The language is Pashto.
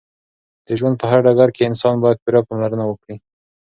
د ژوند په هر ډګر کې انسان باید پوره پاملرنه وکړې